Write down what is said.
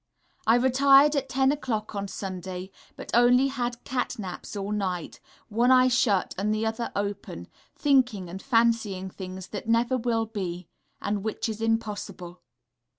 I retired at 10 0 on Sunday, but only had cat naps all night, one eye shut and the other open, thinking and fancying things that never will be, and which is impossible.